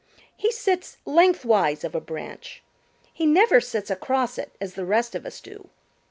He sits lengthwise of a branch. He never sits across it as the rest of us do."